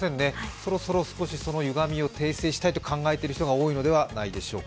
そろそろそのゆがみを訂正したいと思っている方も多いのではないでしょうか。